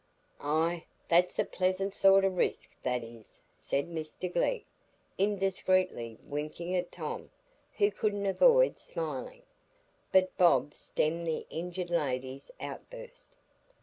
"Ay, that's a pleasant sort o'risk, that is," said Mr Glegg, indiscreetly winking at Tom, who couldn't avoid smiling. But Bob stemmed the injured lady's outburst.